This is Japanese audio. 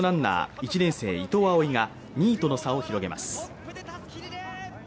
１年生・伊藤蒼唯が２位との差を広げます。